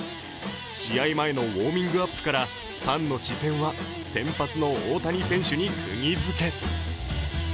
試合前のウォーミングアップからファンの視線は先発の大谷選手にくぎづけ。